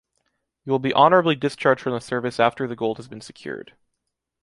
You will be honorably discharged from the service after the gold has been secured.